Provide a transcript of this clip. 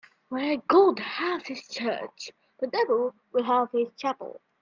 Where God has his church, the devil will have his chapel.